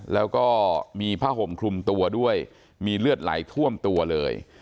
แล้วก็มีผ้าห่มคลุมตัวด้วยมีเลือดไหลท่วมตัวเลย